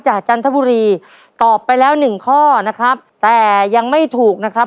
จันทบุรีตอบไปแล้วหนึ่งข้อนะครับแต่ยังไม่ถูกนะครับ